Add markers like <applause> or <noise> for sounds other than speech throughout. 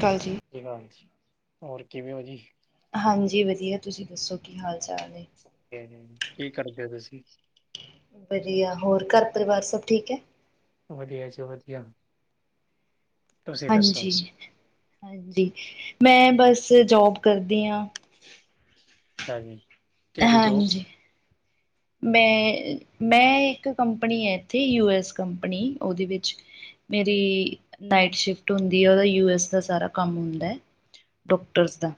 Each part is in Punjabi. ਕੱਲ ਜੀ ਹਾਂਜੀ ਹੋਰ ਕਿਵੇਂ ਹੋ ਜੀ ਹਾਂਜੀ ਵਧੀਆ, ਤੁਸੀਂ ਦੱਸੋ ਕੀ ਹਾਲ-ਚਾਲ ਏ? ਕੀ ਕਰਦੇ ਓ ਤੁਸੀ? ਵਧੀਆ, ਹੋਰ ਘਰ ਪਰਿਵਾਰ ਸਭ ਠੀਕ ਐ? ਵਧੀਆ ਚ ਵਧਿਆ। ਹਾਂਜੀ, ਹਾਂਜੀ, ਮੈਂ ਬਸ ਜੌਬ ਕਰਦੀ ਆਂ। ਅੱਛਾ ਜੀ, ਕਿਹੜੀ ਜੋਬ? ਹਾਂਜੀ ਮੈਂ, ਮੈਂ ਇੱਕ ਕੰਪਨੀ ਐ ਇੱਥੇ, ਯੂ ਐਸ ਕੰਪਨੀ। ਉਹਦੇ ਵਿੱਚ ਮੇਰੀ, ਨਾਈਟ ਸ਼ਿਫਟ ਹੁੰਦੀ ਆ, ਯੂ ਐਸ ਦਾ ਸਾਰਾ ਕੰਮ ਹੁੰਦਾ ਐ। ਡੋਕਟਰਸ ਦਾ?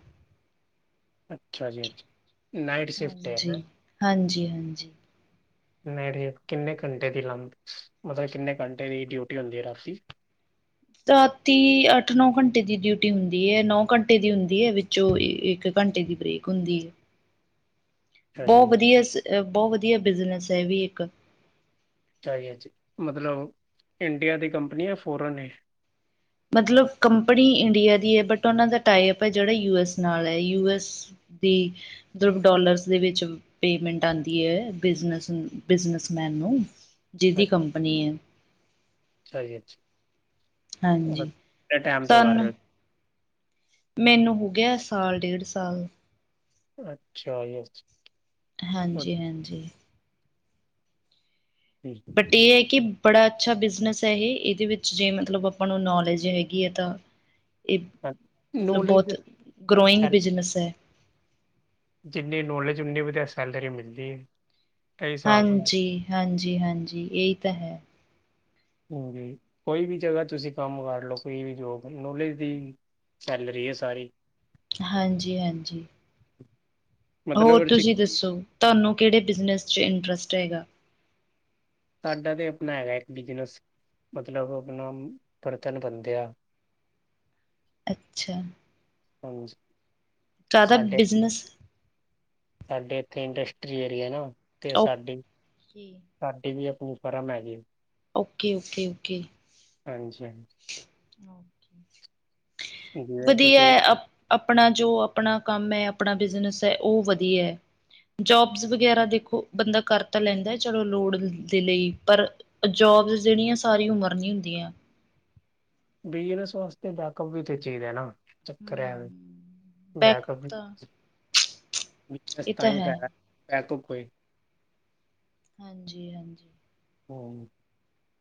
ਅੱਛਾ ਜੀ, ਹਾਂ <inaudible> ਹਾਂਜੀ, ਹਾਂਜੀ, ਹਾਂਜੀ। ਨਹੀਂ ਕਿੰਨੇ ਘੰਟੇ ਦੀ ਲੰਬ, <unintelligible> ਮਤਲਬ ਕਿੰਨੇ ਘੰਟੇ ਦੀ ਡਿਊਟੀ ਹੁੰਦੀ ਏ ਰਾਤੀ? ਰਾਤੀ, ਅੱਠ ਨੌ ਘੰਟੇ ਦੀ ਡਿਊਟੀ ਹੁੰਦੀ ਏ, ਨੌ ਘੰਟੇ ਦੀ ਹੁੰਦੀ ਏ ਵਿੱਚੋਂ ਇੱਕ ਘੰਟੇ ਦੀ ਬ੍ਰੇਕ। ਕੁੁੰਦੀ <unintelligible> ਅੱਛਾ ਜੀ, ਬਹੁਤ ਵਧੀਆ, ਬਹੁਤ ਵਧੀਆ ਬਿਜਨਸ ਏ, ਇਹ ਵੀ ਇੱਕ। ਚਾਹੀਏ ਜੀ, ਮਤਲਬ ਇੰਡੀਆ ਦੀ ਕੰਪਨੀ ਹੈ ਫੋਰਨ ਏ? ਮਤਲਬ ਕੰਪਨੀ ਇੰਡੀਆ ਦੀ ਐ, ਬਟ ਉਹਨਾਂ ਦਾ ਟਾਈਅਪ ਐ, ਜਿਹੜਾ ਯੂ ਐਸ ਨਾਲ ਐ, ਯੂ ਐਸ ਬੀ, ਡੋਲਰਸ ਦੇ ਵਿੱਚ ਪੇਮੈਂਟ ਆਂਦੀ ਐ, ਬਿਜ਼ਨਸ ਬਿਜਨਸਮੈਨ ਨੂੰ, ਜਿਦੀ ਕੰਪਨੀ ਐ। ਸਹੀ ਐ ਜੀ, ਅੱਛਾ ਹਾਂਜੀ ਕਿ ਟਾਈਮ ਤੋਂ ਕਰ ਸਾਨੂੰ ਰਹੇ ਹੋ? <unintelligible> ਮੈਨੂੰ ਹੋ ਗਿਆ, ਸਾਲ ਡੇਢ ਸਾਲ। ਅੱਛਾ ਯ <inaudible> ਹਾਂਜੀ ਹਾਂਜੀ। ਹੂੰ <unintelligible> ਬਟ ਏ ਐ ਕਿ, ਬੜਾ ਅੱਛਾ ਬਿਜ਼ਨਸ ਐ ਇਹ, ਇਹਦੇ ਵਿੱਚ ਜੇ ਮਤਲਬ ਆਪਾਂ ਨੂੰ ਨੌਲੇਜ ਹੈਗੀ ਹੈ ਤਾਂ ਇਹ ਮਤਲਬ ਨੋਲੀਜ ਬਹੁਤ ਲਈ- ਗਰੋਇੰਗ ਬਿਜਨਸ <inaudible> ਹੈ ਜਿੰਨੀ ਨੌਲੇਜ, ਉਨੀ ਵਧੀਆ ਸੈਲਰੀ ਮਿਲਦੀ ਐ। ਹਾਂਜੀ, ਹਾਂਜੀ, ਹਾਂਜੀ ਇਹੀ ਤਾਂ ਹੈ। ਹਾਂਜੀ, ਕੋਈ ਵੀ ਜਗ੍ਹਾ ਤੁਸੀਂ ਕੰਮ ਕਰ ਲਓ ਕੋਈ ਵੀ ਜੋਬ, ਨੌਲੇਜ ਦੀ ਸੈਲਰੀ ਹੈ ਸਾਰੀ ਹਾਂਜੀ ਹਾਂਜੀ। <unintelligible> ਹੋਰ ਉਹਦੇ ਚ ਤੁਸੀਂ ਦੱਸੋ, ਤਾਨੂੰ ਕਿਹੜੇ ਬਿਜਨਸ ਚ ਇੰਟਰਸਟ ਹੈਗਾ? ਸਾਡਾ ਬੀ ਅਪਣਾ ਹੈਗਾ ਇੱਕ ਬਿਜਨਸ, ਮਤਲਬ ਆਪਣਾ, ਬਰਤਨ ਬੰਦੇ ਆ। <unintelligible> ਅੱਛਾ। ਹਾਂਜੀ, ਜ਼ਿਆਦਾ ਸਾਡੇ ਬਿਜ਼ਨਸ ਸਾਡੇ ਇੱਥੇ ਇੰਡਸਟਰੀ ਏਰੀਏ ਨਾ, ਤੇ ਸਾਡੀ ਕੀ ਇਹ ਵੀ ਆਪ ਨੂੰ ਫਰਮ ਹੈ ਜੀ। <unintelligible> Okay, okay, okay. ਹਾਂਜੀ, ਹਾਂਜੀ। ਜਿਵੇਂ ਵਧੀਆ ਤੁਸੀਂ ਆਪਣਾ ਜੋ, ਆਪਣਾ ਕੰਮ ਐ, ਆਪਣਾ ਬਿਜ਼ਨਸ ਐ ਉਹ ਵਧੀਆ ਐ। ਜੋਬਜ ਵਗੈਰਾ ਦੇਖੋ ਬੰਦਾ ਕਰ ਤਾਂ ਲੈਂਦੈ, ਚਲੋ ਲੋੜ ਦੇ ਲਈ, ਪਰ ਜੋਬਸ ਜਿਹੜੀਆਂ ਸਾਰੀ ਉਮਰ ਨੀ ਹੁੰਦੀਆਂ। ਬਿਜਨਸ ਵਾਸਤੇ ਬੈਕਅਪ ਵੀ ਤੇ ਚਿਇਦੈ ਨਾ। ਚੱਕਰ ਹੈ ਹਮ। ਬੈਕਅਪ <unintelligible> <inaudible> ਇਹ ਤਾਂ ਹੈ। ਬੈਕਪ ਕੋਈ ਹਾਂਜੀ ਹਾਂਜੀ। ਹੂੰ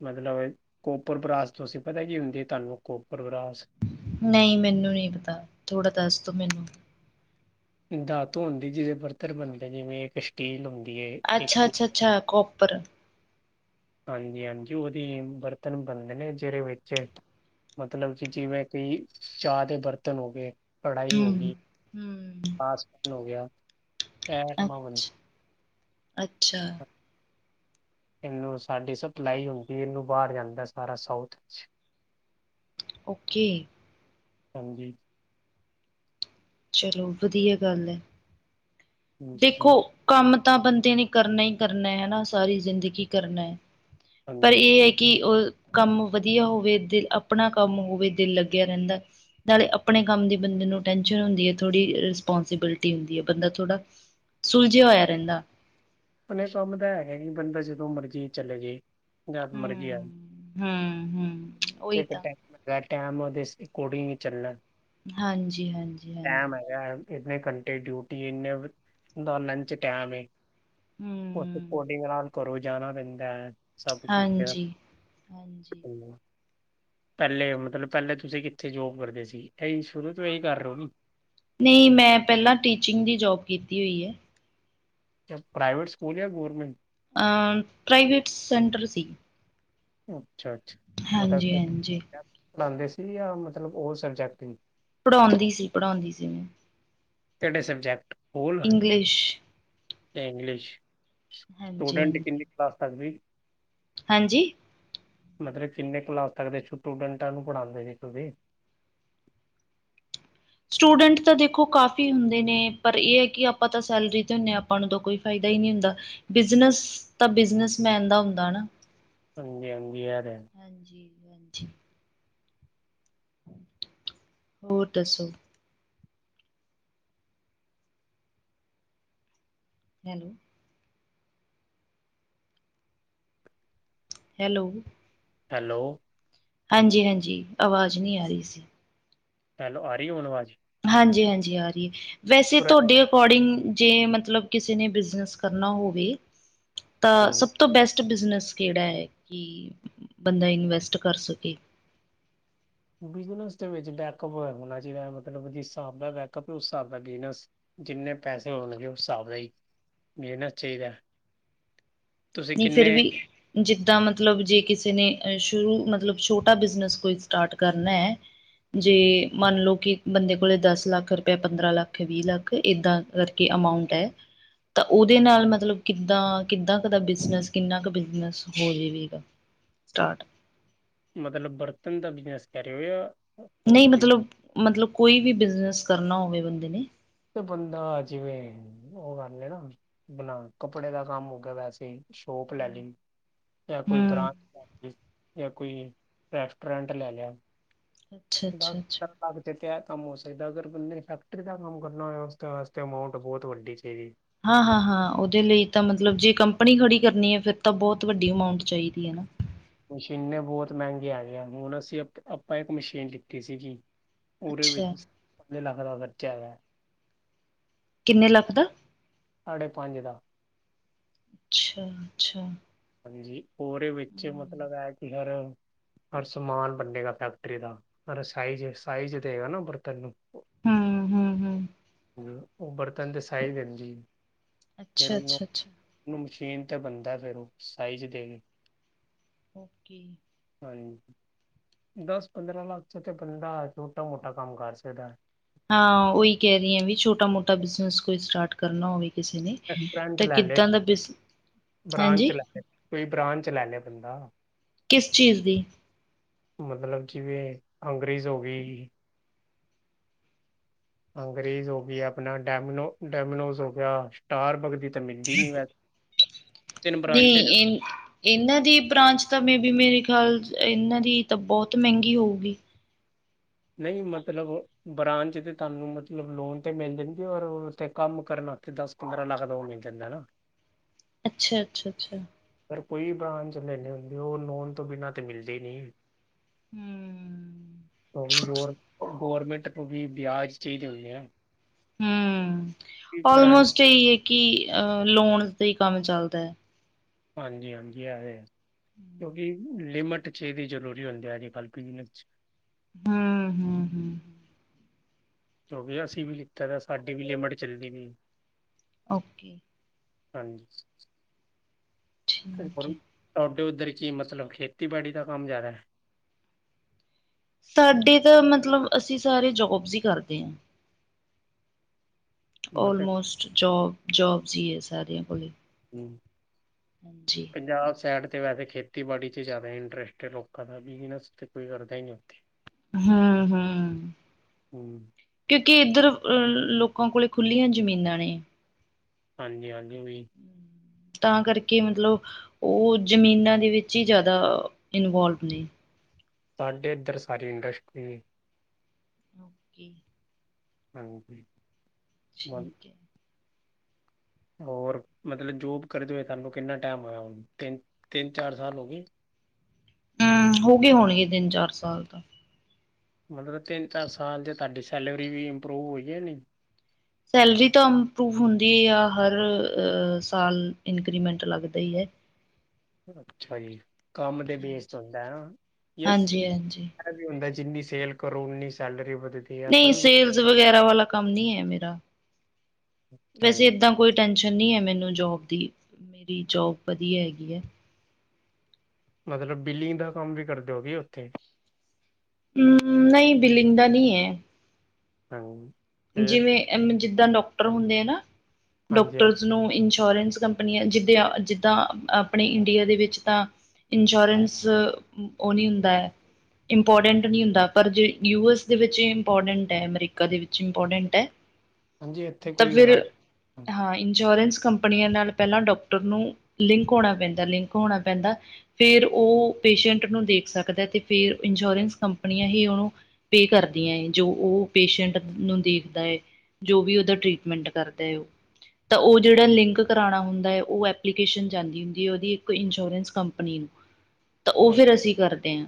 ਮਤਲਬ ਕੋਪਰ ਬਰਾਸ ਤੁਸੀਂ ਪਤਾ ਕੀ ਹੁੰਦੀ ਤੁਹਾਨੂੰ ਕੋਪਰ ਬਰਾਸ? ਨਹੀਂ ਮੈਨੂੰ ਨਹੀਂ ਪਤਾ, ਥੋੜਾ ਦੱਸ ਤੋ ਮੈਨੂੰ। ਧਾਤੋ ਦੀ ਜਿਹਦੇ ਬਰਤਰਨ ਬਣਦੇ, ਜਿਵੇਂ ਇੱਕ ਸਟੀਲ ਹੁੰਦੀ ਇਹ। ਅੱਛਾ ਅੱਛਾ ਅੱਛਾ ਕੋਪਰ। ਹਾਂਜੀ ਹਾਂਜੀ, ਉਹਦੀ ਬਰਤਨ ਬਣਦੇ ਨੇ ਜਿਹਦੇ ਵਿੱਚ ਮਤਲਬ ਕਿ ਜਿਵੇਂ ਕਿ ਚਾਹ ਦੇ ਬਰਤਨ ਹੋ ਗਏ। ਕੜ੍ਹਾਈ ਹੋ ਹਮ ਗਈ ਹਮ ਆ ਸਪੂਨ ਹੋ ਗਿਆ ਇਹ ਐਟਮਾਂ ਬਣ ਅੱਛਾ ਅੱਛਾ <inaudible> ਇਹਨੂੰ ਸਾਡੀ ਸਪਲਾਈ ਹੁੰਦੀ ਇਹਨੂੰ ਬਾਹਰ ਜਾਂਦਾ ਸਾਰਾ ਸਾਊਥ ਵਿੱਚ। <inaudible> ਓਕੇ ਹਾਂਜੀ ਚਲੋ ਵਧੀਆ ਗੱਲ ਐ। ਹਾਂਜੀ ਦੇਖੋ ਕੰਮ ਤਾਂ ਬੰਦੇ ਨੇ ਕਰਨਾ ਹੀ ਕਰਨਾ ਹਨਾ, ਸਾਰੀ ਜ਼ਿੰਦਗੀ ਕਰਨਾ ਹੈ। ਪਰ ਹਾਂਜੀ ਇਹ ਹੈ ਕਿ ਉਹ ਕੰਮ ਵਧੀਆ ਹੋਵੇ ਦਿਲ ਆਪਣਾ ਕੰਮ ਹੋਵੇ ਦਿਲ ਲੱਗਿਆਂ ਰਹਿੰਦਾ। ਨਾਲੇ ਆਪਣੇ ਕੰਮ ਦੀ ਬੰਦੇ ਨੂੰ ਟੈਸ਼ਨ ਹੁੰਦੀ ਹੈ। ਥੋੜ੍ਹੀ ਰਿਸਪੋਂਸੀਬਿਲਟੀ ਹੁੰਦੀ ਹੈ ਬੰਦਾ ਥੋੜਾ। ਸੁਲਝਿਆ ਹੋਇਆ ਰਹਿੰਦਾ ਹੁ ਇਹ ਕੰਮ ਤਾਂ ਹੈਗਾ ਹੀ ਬੰਦਾ ਜਦੋਂ ਮਰਜ਼ੀ ਚਲੇ ਜੇ। ਜਦ ਮਰਜੀ ਆਜੋ ਹੂੰ ਹੂੰ ਹੂੰ ਉਹੀ ਜ ਤੇ ਤਾਂ ਟਾਈਮ ਏ ਅ ਟਾਈਮ ਉਹਦੇ ਅਕੋਡਿੰਗ ਹੀ ਚੱਲਣਾ ਹਾਂਜੀ ਹਾਂਜੀ ਟਾਈਮ ਹਾਂਜੀ ਹੈਗਾ ਇਨੇ ਘੰਟੇ ਡਿਊਟੀ ਇੰਨੇ ਦਾ ਲੰਚ ਟਾਈਮ ਹ। ਹਮ। ਉਥੋਂ ਕੋਡਿੰਗ ਨਾਲ ਘਰੋਂ ਜਾਣਾ ਪੈਂਦਾ। ਸਭ ਠੀਕ ਹੈ। ਹਾਂਜੀ ਹਾਂਜੀ ਹਮ। ਪਹਿਲੇ ਮਤਲਬ ਪਹਿਲੇ ਤੁਸੀਂ ਕਿੱਥੇ ਜੋਬ ਕਰਦੇ ਸੀ ਇਹੀ ਸ਼ੁਰੂ ਤੋਂ ਇਹੀ ਕਰ ਰਹੇ ਨਾ ਨਹੀਂ ਮੈਂ ਪਹਿਲਾਂ ਟੀਚਿੰਗ ਦੀ ਜੋਬ ਕੀਤੀ ਹੋਈ ਹੈ ਪ੍ਰਾਈਵੇਟ ਸਕੂਲ ਜਾਂ ਗੌਰਮੈਂਟ ਪ੍ਰਾਈਵੇਟ ਸੈਂਟਰ ਸੀ। ਅੱਛਾ ਅੱਛਾ ਵੱਡਾ ਹਾਂਜੀ ਕੋਈ ਹਾਂਜੀ ਹੈਗਾ ਪੜ੍ਹਾਉਂਦੇ ਸੀ, ਜਾਂ ਮਤਲਬ ਉਹ ਸਬਜੈਕਟ ਹੀ? ਪੜ੍ਹਾਉਂਦੀ ਸੀ, ਪੜ੍ਹਾਉਂਦੀ ਸੀ, ਮੈਂ। ਕਿਹੜੇ ਸਬਜੈਕਟ ਭੋਲ ਇੰਗਲਿਸ਼ ਤੇ, ਇੰਗਲਿਸ਼? ਹਾਂਜੀ ਸਟੂਡੈਂਟ ਹਾਂਜੀ ਕਿੰਨੀ ਕਲਾਸ ਤੱਕ ਸੀ ਹਾਂਜੀ ਮਤਲਬ ਕਿੰਨੇ ਕਲਾਸ ਤੱਕ ਦੇ ਸਟੂਡੈਂਟਾਂ ਨੂੰ ਪੜਾਉਦੇ ਸੀ ਤੁਸੀਂ ਸਟੂਡੈਂਟ ਤਾਂ ਦੇਖੋ ਕਾਫੀ ਹੁੰਦੇ ਨੇ, ਪਰ ਇਹ ਹੈ ਕਿ ਆਪਾਂ ਤਾਂ ਸੈਲਰੀ ਤੇ ਹੁੰਦੇ ਆ ਆਪਾਂ ਨੂੰ ਤਾਂ ਕੋਈ ਫਾਇਦਾ ਹੀ ਨਹੀਂ ਹੁੰਦਾ। ਬਿਜਨਸ ਤਾਂ ਬਿਜਨਸਮੈਨ ਦਾ ਹੁੰਦਾ ਨਾ ਹਾਂਜੀ ਹਾਂਜੀ ਇਹ ਹੈ ਤੇ ਹਾਂਜੀ ਹਾਂਜੀ ਹੋਰ ਦਸੋ। ਹੈਲੋ। ਹੈਲੋ। ਹੈਲੋ, ਹਾਂਜੀ-ਹਾਂਜੀ ਆਵਾਜ਼ ਨਹੀਂ ਆ ਰਹੀ ਸੀ। ਹੈਲੋ, ਆ ਰਹੀ ਹੁਣ ਆਵਾਜ਼। ਹਾਂਜੀ ਹਾਂਜੀ ਆ ਰਹੀਏ ਵੈਸੇ ਤੁਹਾਡੇ ਅਕੋਡਿੰਗ ਜੇ ਮਤਲਬ ਕਿਸੇ ਨੇ ਬਿਜਨਸ ਕਰਨਾ ਹੋਵੇ ਤਾਂ ਹਾਂਜੀ ਸਭ ਸਭ ਤੋਂ ਬੈਸਟ ਬਿਜਨਸ ਕਿਹੜਾ ਹੈ ਕਿ ਬੰਦਾ ਇਨਵੈਸਟ ਕਰ ਸਕੇ। ਬਿਜਨਸ ਦੇ ਵਿੱਚ ਬੈਕਅਪ ਹੋਣਾ ਚਾਹੀਦਾ ਮਤਲਬ ਜਿਸ ਹਿਸਾਬ ਦਾ ਬੈਕਅਪ ਉਸ ਹਿਸਾਬ ਦਾ ਬਿਜਨਸ, ਜਿੰਨੇ ਪੈਸੇ ਹੋਣ ਲਗੇ ਉਸ, ਹਿਸਾਬ ਦਾ ਹੀ ਮਿਲਣਾ ਚਾਹੀਦਾ। ਤੁਸੀਂ ਨਈ, ਫਿਰ ਕਿੰਨੇ ਵੀ ਜਿੱਦਾਂ ਮਤਲਬ, ਜੇ ਕਿਸੇ ਨੇ ਅ ਸ਼ੁਰੂ, ਮਤਲਬ ਛੋਟਾ ਬਿਜਨਸ ਕੋਈ ਸਟਾਰਟ ਕਰਨਾ ਐ ਜੇ ਮੰਨ ਲੋ ਕਿ, ਬੰਦੇ ਕੋਲੇ ਦਸ ਲੱਖ ਰੁਪਇਆ, ਪੰਦਰਾਂ ਲੱਖ ਏ, ਵੀਹ ਲੱਖ ਏ, ਏਦਾਂ ਕਰ ਕੇ ਅਮਾਊਂਟ ਐ, ਤਾਂ ਉਹਦੇ ਨਾਲ ਮਤਲਬ ਕਿੱਦਾਂ-ਕਿੱਦਾਂ ਦਾ ਬਿਜਨਸ, ਕਿੰਨਾ ਕੁ ਬਿਜਨਸ ਹੋ ਜੇਵੇਗਾ ਸਟਾਰਟ? ਮਤਲਬ ਬਰਤਨ ਦਾ ਬਿਜਨਸ ਕੇਹ ਰਏ ਹੋ? ਯਾ ਨਈ, ਮਤਲਬ-ਮਤਲਬ ਕੋਈ ਵੀ ਬਿਜਨਸ ਕਰਨਾ ਹੋਵੇ ਬੰਦੇ ਨੇ। ਤੇ ਬੰਦਾ ਜਿਵੇਂ, ਔਹ ਕਰ ਲੇ ਨਾ ਬਣਾ, ਕੱਪੜੇ ਦਾ ਕੰਮ ਹੋ ਗਿਆ ਵੈਸੇ ਈ, ਸ਼ੋਪ ਲੈ ਲਈ। ਜਾਂ ਕੋਈ ਹੂੰ ਬ੍ਰਾਂਚ ਲੈ ਲੀ, ਯਾ ਕੋਈ ਰੈਸਟੋਰੈਂਟ ਲੈ ਲਿਆ। ਅੱਛਾ ਅੱਛਾ <unintelligible> ਅੱਛਾ <unintelligible> ਏਹ ਕੰਮ ਹੋ ਸਕਦਾ, ਅਗਰ ਬੰਦੇ ਫੈਕਟਰੀ ਦਾ ਕੰਮ ਕਰਨਾ ਹੋਵੇ, ਉਸਦੇ ਵਾਸਤੇ ਅਮਾਊਂਟ ਬਹੁਤ ਵੱਡੀ ਚਾਹੀਦੀ। ਹਾਂ-ਹਾਂ-ਹਾਂ, ਉਹਦੇ ਲਈ ਤਾਂ ਮਤਲਬ, ਜੇ ਕੰਪਨੀ ਖੜੀ ਕਰਨੀ ਏ, ਫਿਰ ਤਾਂ ਬਹੁਤ ਵੱਡੀ ਅਮਾਊਂਟ ਚਾਹੀਦੀ ਏ ਨਾ। ਮਸ਼ੀਨੇ ਬੋਤ ਮਹਿੰਗੀ ਆ ਗਿਆ, ਹੁਣ ਅਸੀਂ ਥ ਅਪਾਂ ਇੱਕ ਮਸ਼ੀਨ ਲਿੱਤੀ ਸੀਗੀ। ਉਰੇ ਅੱਛਾ ਵਿੱਚ, ਪੰਜ ਲੱਖ ਦਾ ਖਰਚਾ ਹੈਗਾ ਏ। ਕਿੰਨੇ ਲਾਖ ਦਾ? ਸਾਢੇ ਪੰਜ ਦਾ। ਅੱਛਾ-ਅੱਛਾ। ਹਾਂਜੀ, ਔਰੇ ਵਿੱਚ ਮਤਲਬ ਏ ਕਿ ਹਰ ਪਰ ਸਮਾਨ ਬਨੇਗਾ ਫੈਕਟਰੀ ਦਾ, ਪਰ ਏਹ ਸਾਈਜ-ਸਾਈਜ ਦੇਗਾ ਨਾ, ਬਰਤਨ ਨੂੰ। ਹੂੰ-ਹੂੰ-ਹੂੰ। ਹੂੰ, ਔਹ ਬਰਤਨ ਦੇ ਸਾਈਜ ਦਿੰਦੀ, ਫਿਰ ਅੱਛਾ ਉਹਨੂੰ ਅੱਛਾ ਅੱਛਾ ਉਹਨੂੰ ਮਸ਼ੀਨ ਤੇ ਬਣਦਾ ਫਿਰ ਉਹ, ਸਾਈਜ਼ ਦੇ ਗਏ। ਓਕੇ। ਹਾਂਜੀ, ਦਸ, ਪੰਦਰਾਂ ਲੱਖ ਚ ਤੇ ਬੰਦਾ, ਛੋਟਾ ਮੋਟਾ ਕੰਮ ਕਰ ਸਕਦਾ ਏ। ਹਾਂ, ਉਹੀ ਕਹਿ ਰਈ ਆ, ਵੀ ਛੋਟਾ ਮੋਟਾ ਬਿਜਨਸ ਕੋਈ ਸਟਾਰਟ ਕਰਨਾ ਹੋਵੇ ਕਿਸੇ ਨੇ? <unintelligible> ਫਰੈਂਟ ਤਾਂ ਲੈ ਲਏ ਕਿੱਦਾਂ ਦਾ ਪੇਪਰ, ਬਿਜ ਬ੍ਰਾਂਚ ਹਾਂਜੀ ਲੈਲੇ, ਕੋਈ ਬ੍ਰਾਂਚ ਲੈ ਲਏ ਬੰਦਾ। ਕਿਸ ਚੀਜ਼ ਦੀ? ਮਤਲਬ ਜਿਵੇਂ, ਅੰਗਰੇਜ਼ ਹੋ ਗਈ। ਅੰਗਰੇਜ਼ ਹੋ ਗਈ, ਆਪਣਾ ਡੈਮਿਨੋ, ਡੈਮਿਨੋਜ਼ ਹੋ ਗਿਆ, ਸਟਾਰਬੱਗ ਜਿੱ ਮਿਲਦੀ ਨੀ ਵੇ ਨਈ, ਇਨ ਇਹਨਾਂ ਦੀ ਬ੍ਰਾਂਚ ਤਾਂ ਮੇ ਬੀ ਮੇਰੇ ਖਿਆਲ ਚ, ਇਹਨਾਂ ਦੀ ਤਾਂ ਬਹੁਤ ਮਹਿੰਗੀ ਹੋਊਗੀ? ਨਈ ਮਤਲਬ, ਬ੍ਰਾਂਚ ਤੇ ਤੁਹਾਨੂੰ, ਮਤਲਬ ਲੋਨ ਤੇ ਮਿਲ ਜਾਂਣਗੇ, ਔਰ ਉੱਥੇ ਕੰਮ ਕਰਨ ਆਥੇ ਦੱਸ ਪੰਦਰਾਂ ਲੱਖ ਲੋਨ ਮਿਲ ਜਾਂਦਾ ਏਨਾ। ਅੱਛਾ-ਅੱਛਾ-ਅੱਛਾ। ਪਰ ਕੋਈ ਬ੍ਰਾਂਚ ਲੈਂਦੇ ਹੁੰਦੇ, ਉਹ ਨੋਨ ਤੋਂ ਬਿਨਾਂ ਤੇ ਮਿਲਦੀ ਨਈ। ਹੂੰ। <unintelligible> ਗੌਰਮੈਂਟ ਤੋਂ ਵੀ ਬਿਆਜ ਠੀਕ ਹੁੰਦੀ ਆ। ਹੂੰ, ਬ੍ਰਾਂਚ ਔਲਮੋਸਟ ਇਹੀ ਹੈ, ਕਿ ਅਹ ਲੋਨ ਤੇ ਈ ਕੰਮ ਚੱਲਦਾ ਏ। ਹਾਂਜੀ -ਹਾਂਜੀ, ਇਹ ਹੈ ਕਿਉਂਕਿ ਲਿਮਿਟ ਚ ਇਹਦੀ ਜ਼ਰੂਰੀ ਹੁੰਦੀ ਆ, ਅੱਜ ਕੱਲ੍ਹ ਬਿਜ਼ਨਸ ਚ ਹੂੰ-ਹੂੰ-ਹੂੰ। ਕਿਉਂਕਿ ਅਸੀਂ ਵੀ ਲਿੱਤਾ ਦਾ ਏ, ਸਾਡੀ ਵੀ ਲਿਮਟ ਚਲਦੀ ਬਈ। ਓਕੇ। ਹਾਂਜੀ। ਕਰੇ ਠੀਕ ਪਰਮ, ਹੈ। ਤੁਹਾਡੇ ਉੱਧਰ ਕੀ ਮਤਲਬ, ਖੇਤੀਬਾੜੀ ਦਾ ਕੰਮ ਜਾਦਾ ਐ? ਸਾਡੇ ਤਾਂ ਮਤਲਬ, ਅਸੀਂ ਸਾਰੇ ਜੋਬਜ਼ ਈ ਕਰਦੇ ਆ। ਮਤਲਬ ਔਲਮੋਸਟ ਜੋਬ, ਜੋਬਸ ਈ ਏ ਸਾਰਿਆਂ ਕੋਲ ਏਹ। ਹਮ, ਪੰਜਾਬ ਸੈਡ ਤੇ ਵੈਸੇ ਖੇ ਖੇਤੀਬਾੜੀ ਚ ਜ਼ਿਆਦਾ ਇੰਟਰਸਟ ਹੈ ਲੋਕਾਂ ਦਾ, ਬਿਜਨਸ ਤਾਂ ਕੋਈ ਕਰਦਾ ਹੀ ਨਹੀਂ ਉੱਥੇ। ਹਮ -ਹਮ। ਹੂੰ ਕਿਉਂਕਿ, ਇੱਧਰ ਅਹ ਲੋਕਾਂ ਕੋਲ ਖੁੱਲੀਆਂ ਜ਼ਮੀਨਾਂ ਨੇ। ਹਾਂਜੀ- ਹਾਂਜੀ, ਵੀ ਤਾਂ, ਕਰਕੇ ਮਤਲਬ ਉਹ, ਜ਼ਮੀਨਾਂ ਦੇ ਵਿੱਚ ਹੀ ਜ਼ਿਆਦਾ ਇਨਵੋਲਵ ਨੇ। ਸਾਡੇ ਇੱਧਰ ਸਾਰੀ ਇੰਡਸਟਰੀ ਓਕੇ। ਹਾਂਜੀ। ਠੀਕ ਹੈ। ਹੋਰ ਮਤਲਬ, ਜੋਬ ਕਰਦੇ ਹੋਏ ਤੁਹਾਨੂੰ ਕਿੰਨਾ ਟਾਈਮ ਹੋਇਆ, ਹੁਣ ਤਿੰਨ, ਚਾਰ ਸਾਲ ਹੋ ਗਏ? ਹਮ, ਹੋ ਗਏ ਹੋਣਗੇ ਤਿੰਨ ਚਾਰ ਸਾਲ ਤਾਂ। ਮਤਲਬ, ਤਿੰਨ ਚਾਰ- ਸਾਲ ਚ, ਤੁਹਾਡੀ ਸੈਲਰੀ ਵੀ ਇੰਪਰੂਵ ਹੋਈ ਹੈ ਨਹੀਂ? ਸੈਲਰੀ ਤਾਂ ਇੰਪਰੂਵ ਹੁੰਦੀ ਆ, ਹਰ ਸਾਲ ਇਨਕਰੀਮੈਂਟ ਲੱਗਦਾ ਹੀ ਹੈ। ਅੱਛਾ ਜੀ, ਕੰਮ ਦੇ ਬੇਸ ਤੇ ਹਾਂਜੀ ਹੁੰਦਾ ਆ ਨਾ, ਯਸ ਹਾਂਜੀ ਹਾਂਜੀ ਵੀ ਹੁੰਦਾ ਜਿੰਨੀ ਸੇਲ ਕਰੋ, ਉਨੀ ਸੈਲਰੀ ਵਧਦੀ। ਹੈ ਐਸਾ ਨਹੀਂ ਵੀ ਕੁਛ ਸੇਲਜ਼ ਵਗੈਰਾ ਵਾਲਾ ਕੰਮ ਨਹੀਂ ਹੈ। ਮੇਰਾ ਵੈਸੇ ਚਾਹੀਏ ਏਦਾਂ ਕੋਈ ਟੈਂਨਸ਼ਨ ਨਹੀਂ ਹੈ, ਮੈਨੂੰ ਜੋਬ ਦੀ ਮੇਰੀ ਜੋਬ ਵਧੀਆ ਹੈਗੀ ਹੈ। ਮਤਲਬ, ਬਿਲਿੰਗ ਦਾ ਕੰਮ ਵੀ ਕਰਦੇ ਹੋ ਕਿ ਉੱਥੇ? ਹਮ, ਨਹੀਂ ਬਿਲਿੰਗ ਦਾ ਨਹੀਂ ਹੈ। ਹਾਂ। ਜਿਵੇਂ, ਜਿੱਦਾਂ ਡਾਕਟਰ ਹੁੰਦੇ ਆ ਨਾ, ਹਾਂਜੀ ਡਾਕਟਰ। ਹਾਂਜੀ ਉਸਨੂੰ ਇੰਸ਼ੋਰੈਂਸ ਕੰਪਨੀਆਂ ਜਿੱਦਾਂ, ਜਿੱਦਾਂ ਆਪਣੇ ਇੰਡੀਆ ਦੇ ਵਿੱਚ ਤਾਂ ਇੰਸ਼ੋਰੈਂਸ ਉਹ ਨਹੀਂ, ਹੁੰਦਾ ਹੈ। ਇੰਪੋਰਟੈਂਟ ਨਹੀਂ ਹੁੰਦਾ, ਪਰ ਜੇ ਯੂ- ਐਸ ਦੇ, ਵਿੱਚ ਇਹ ਇੰਪੋਰਟੈਂਟ ਹੈ, ਅਮਰੀਕਾ ਦੇ ਵਿੱਚ। ਇੰਪੋਰਟੈਂਟ ਹੈ, ਹਾਂਜੀ ਇੱਥੇ ਤਾਂ ਕੋਈ ਫਿਰ ਹਾਂ, ਇੰਸ਼ੋਰੈਂਸ ਕੰਪਨੀਆਂ ਨਾਲ ਪਹਿਲਾਂ ਡਾਕਟਰ ਨੂੰ ਲਿੰਕ ਹੋਣਾ ਪੈਂਦਾ, ਲਿੰਕ ਹੋਣਾ ਪੈਂਦਾ। ਫੇਰ ਉਹ ਪੇਸ਼ੈਂਟ ਨੂੰ ਦੇਖ ਸਕਦਾ, ਤੇ ਫੇਰ ਇੰਸ਼ੋਰੈਂਸ ਕੰਪਨੀਆਂ ਹੀ ਉਹਨੂੰ ਪੇ ਕਰਦੀਆਂ ਹੈ, ਜੋ ਉਹ ਪੇਸ਼ੈਂਟ ਨੂੰ ਦੇਖਦਾ ਹੈ, ਜੋ ਵੀ ਉਹਦਾ ਟ੍ਰੀਟਮੈਂਟ ਕਰਦਾ ਹੈ ਉਹ ਤਾਂ ਉਹ ਜਿਹੜਾ ਲਿੰਕ ਕਰਾਉਣਾ ਹੁੰਦਾ ਹੈ, ਉਹ ਐਪਲੀਕੇਸ਼ਨ ਜਾਂਦੀ ਹੁੰਦੀ ਹੈ, ਉਹਦੀ ਇੱਕ ਇੰਸ਼ੋਰੈਂਸ ਕੰਪਨੀ ਨੂੰ। <unintelligible> ਤਾਂ, ਉਹ ਫਿਰ ਅਸੀਂ ਕਰਦੇ ਹਾਂ।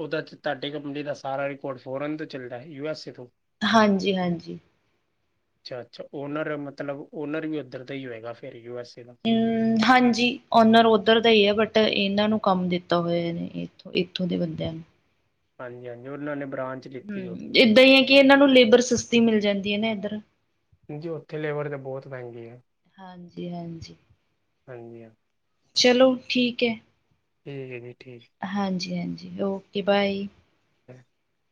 ਉਹਦਾ ਤੁਹਾਡੇ ਕੰਪਨੀ ਦਾ ਸਾਰਾ ਰਿਕਾਰਡ ਫੋਰਨ ਤੋਂ ਚੱਲਦਾ ਹੈ, ਯੂ- ਐੱਸ- ਏ ਤੋਂ? ਹਾਂਜੀ -ਹਾਂਜੀ। ਅੱਛਾ -ਅੱਛਾ, ਓਨਰ ਮਤਲਬ ਓਨਰ ਵੀ ਉੱਧਰ ਦਾ ਹੀ ਹੋਏਗਾ, ਫੇਰ ਯੂ -ਐਸ -ਏ ਦਾ। ਹਮ, ਹਾਂਜੀ ਓਨਰ ਉੱਧਰ ਦਾ ਹੀ ਹੈ, ਬਟ ਇਹਨਾਂ ਨੂੰ ਕੰਮ ਦਿੱਤਾ ਹੋਇਆ ਏਹ ਨੇ। ਇਥੋਂ, ਦੇ ਬੰਦਿਆਂ ਨੂੰ। ਹਾਂਜੀ -ਹਾਂਜੀ, ਉਹਨਾਂ ਨੇ ਬ੍ਰਾਂਚ ਲਿੱਤੀ ਹਮ, ਹੋਵੇ ਏਦਾਂ ਹੀ ਹੈ ਕਿ, ਇਹਨਾਂ ਨੂੰ ਲੇਬਰ ਸਸਤੀ ਮਿਲ ਜਾਂਦੀ ਹੈ ਨਾ ਇਧਰ। ਜੀ ਉੱਥੇ ਲੇਬਰ ਤਾਂ ਬਹੁਤ ਮਹਿੰਗੀ ਆ, ਹਾਂਜੀ-ਹਾਂਜੀ, ਹਾਂਜੀ ਹਾਂ। ਚਲੋ ਠੀਕ ਹੈ। ਠੀਕ ਹੈ ਜੀ, ਠੀਕ। ਹਾਂਜੀ -ਹਾਂਜੀ, ਓਕੇ ਬਾਏ। <unintelligible>